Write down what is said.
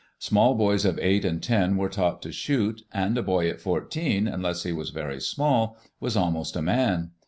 Small boys of eight and ten were taught to shoot and a boy at fourteen, unless he was very small, was almost a man.